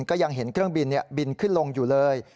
ก็ยังเห็นเครื่องบินบินขึ้นลงอยู่เลย